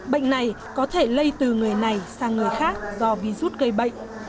bệnh này có thể lây từ người này sang người khác do virus gây bệnh